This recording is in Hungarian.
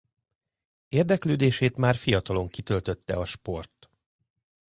Érdeklődését már fiatalon kitöltötte a sport.